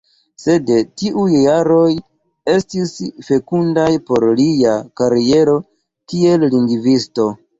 Sed tiuj jaroj estis fekundaj por lia kariero kiel lingvisto.